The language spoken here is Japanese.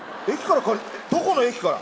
どこの駅から？